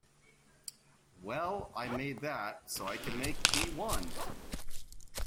Well, I made that, so I can make thee one!